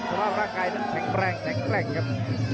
สำหรับร่างกายแข็งแรงแข็งแกร่งครับ